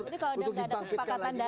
jadi kalau nggak ada kesepakatan dasar